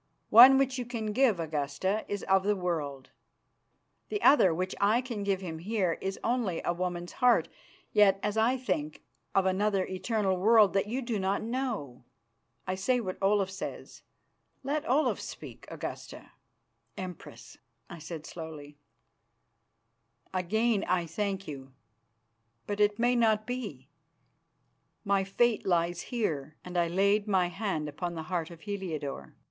One, which you can give, Augusta, is of the world; the other, which I can give him here, is only a woman's heart, yet, as I think, of another eternal world that you do not know. I say what Olaf says. Let Olaf speak, Augusta." "Empress," I said slowly, "again I thank you, but it may not be. My fate lies here," and I laid my hand upon the heart of Heliodore.